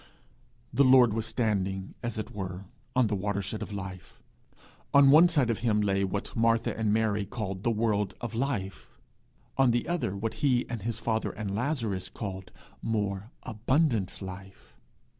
The Lord was standing, as it were, on the watershed of life. On one side of him lay what Martha and Mary called the world of life, on the other what he and his father and Lazarus called more abundant life.